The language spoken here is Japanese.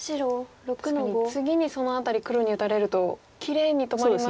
確かに次にその辺り黒に打たれるときれいに止まりますね。